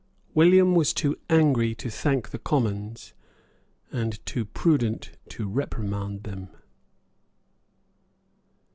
William was too angry to thank the Commons, and too prudent to reprimand them.